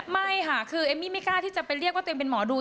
ไม่ค่ะคือเอมมี่ไม่กล้าที่จะไปเรียกว่าตัวเองเป็นหมอดู